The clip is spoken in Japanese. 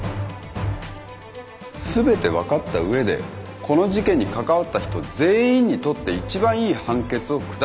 全て分かった上でこの事件に関わった人全員にとって一番いい判決を下したい。